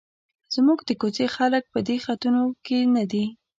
زموږ د کوڅې خلک په دې خطونو کې نه دي.